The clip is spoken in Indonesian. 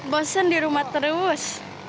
bosan di rumah terus